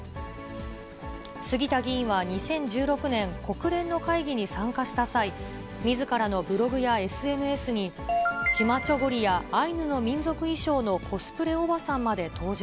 杉田議員は２０１６年、国連の会議に参加した際、みずからのブログやＳＮＳに、チマチョゴリやアイヌの民族衣装のコスプレおばさんまで登場。